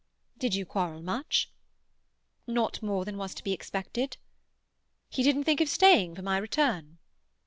"Did you quarrel much?" "Not more than was to be expected." "He didn't think of staying for my return?"